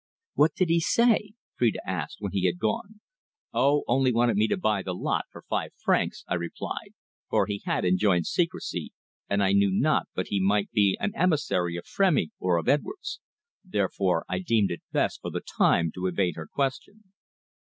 "What did he say?" Phrida asked when he had gone. "Oh, only wanted me to buy the lot for five francs!" I replied, for he had enjoined secrecy, and I knew not but he might be an emissary of Frémy or of Edwards. Therefore I deemed it best for the time to evade her question.